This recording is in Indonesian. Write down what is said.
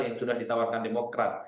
yang sudah ditawarkan demokrat